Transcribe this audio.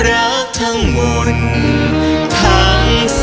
รักทั้งหมุนทั้งหมุน